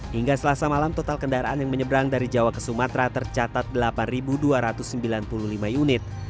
hingga selasa malam total kendaraan yang menyeberang dari jawa ke sumatera tercatat delapan dua ratus sembilan puluh lima unit